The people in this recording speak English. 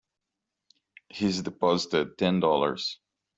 He's deposited Ten Dollars.